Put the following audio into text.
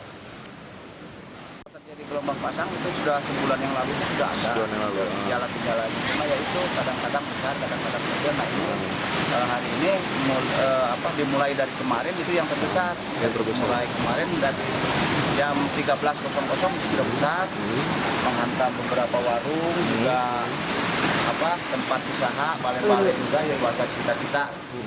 yang dimulai dari kemarin itu yang terbesar yang terbesar lagi kemarin dari jam tiga belas tiga belas menghantar beberapa warung tempat usaha balai balai juga yang berada di kita kita